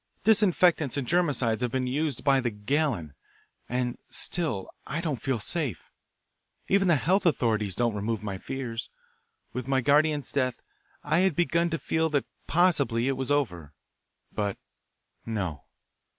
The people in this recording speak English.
Disinfectants and germicides have been used by the gallon, and still I don't feel safe. Even the health authorities don't remove my fears. With my guardian's death I had begun to feel that possibly it was over. But no.